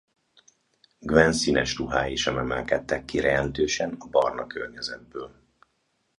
Gwen színes ruhái sem emelkednek ki jelentősen a barna környezetből.